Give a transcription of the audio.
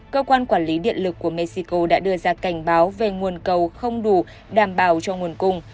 cơ quan quản lý điện lực của mexico đã đưa ra cảnh báo về nguồn cầu không đủ đảm bảo cho nguồn cung